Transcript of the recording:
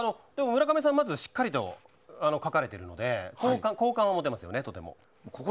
村上さんはしっかりと書かれているので好感は持てますよね、とても。